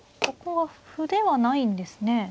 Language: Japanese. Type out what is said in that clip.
ここは歩ではないんですね。